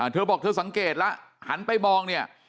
เธอบอกเธอสังเกตแล้วหันไปมองเนี่ย